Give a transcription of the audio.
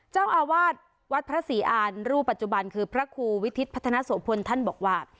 เจ้าอาวาสวัดพระศรีอ่านรูปปัจจุบันคือพระครูวิทิศพัฒนโสพลท่านบอกว่า